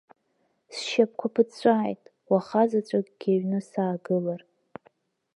Сшьапқәа ԥыҵәҵәааит, уахазаҵәыкгьы аҩны саагылар!